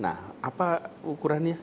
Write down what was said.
nah apa ukurannya